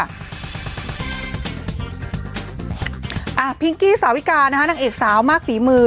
พิงกี้สาวิกานะคะนางเอกสาวมากฝีมือ